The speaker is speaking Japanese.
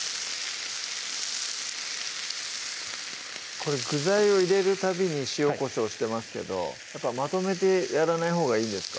これ具材を入れるたびに塩・こしょうしてますけどやっぱまとめてやらないほうがいいんですか？